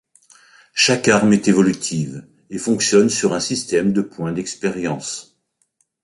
Chaque arme est évolutive, et fonctionne sur un système de points d'expérience.